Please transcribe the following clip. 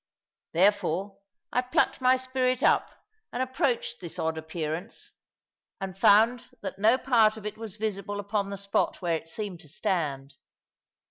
Therefore I plucked my spirit up and approached this odd appearance, and found that no part of it was visible upon the spot where it seemed to stand.